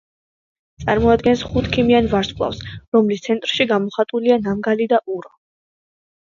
წარმოადგენს ხუთქიმიან ვარსკვლავს, რომლის ცენტრში გამოხატულია ნამგალი და ურო.